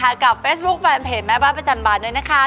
กับเฟซบุ๊คแฟนเพจแม่บ้านประจำบานด้วยนะคะ